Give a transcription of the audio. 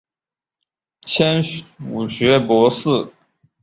迁武学博士。